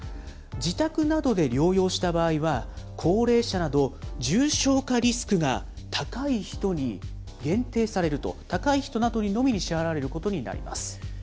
自宅などで療養した場合は、高齢者など重症化リスクが高い人に限定されると、高い人などのみに支払われることになります。